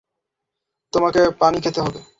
তোমাকে পানি খেতে হবে।